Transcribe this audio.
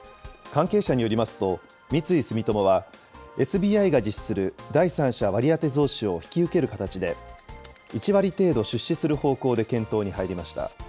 関係者によりますと、三井住友は、ＳＢＩが実施する第三者割当増資を引き受ける形で、１割程度、出資する方向で検討に入りました。